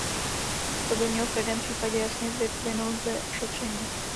To by mělo v každém případě jasně vyplynout ze šetření.